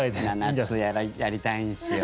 ７つ、やりたいんすよ。